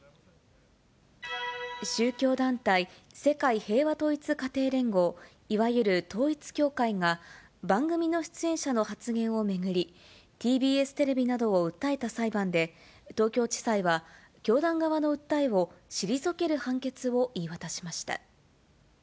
宗教団体世界統一家庭連合、いわゆる統一教会が、番組の出演者の発言を巡り、ＴＢＳテレビなどを訴えた裁判で、東京地裁は教団側の訴えを退ける判決を言い渡しました。